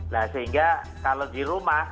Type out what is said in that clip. nah sehingga kalau di rumah